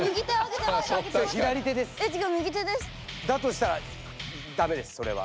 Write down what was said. したらダメですそれは。